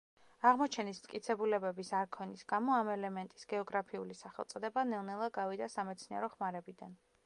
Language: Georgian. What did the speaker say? აღმოჩენის მტკიცებულებების არ ქონის გამო ამ ელემენტის გეოგრაფიული სახელწოდება ნელ ნელა გავიდა სამეცნიერო ხმარებიდან.